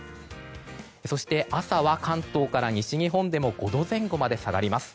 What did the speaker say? そして朝は関東から西日本でも５度前後まで下がります。